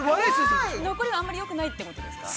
◆残りは、あんまりよくないということですか。